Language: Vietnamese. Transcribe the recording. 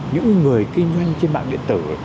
những người kinh doanh trên mạng điện tử